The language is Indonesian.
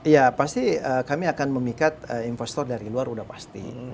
ya pasti kami akan memikat investor dari luar sudah pasti